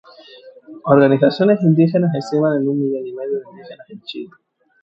Organizaciones indígenas estiman en un millón y medio de indígenas en Chile.